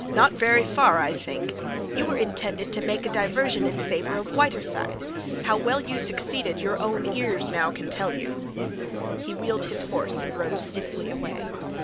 "Not very far, I think. You were intended to make a diversion in favor of Whiterside. How well you succeeded your own ears can now tell you." He wheeled his horse and rode stiffly away.